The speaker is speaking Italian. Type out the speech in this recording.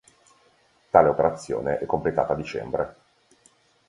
Tale operazione è completata a dicembre.